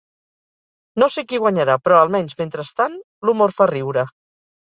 No sé qui guanyarà, però almenys, mentrestant, l’humor fa riure….